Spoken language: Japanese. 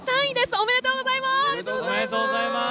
おめでとうございます！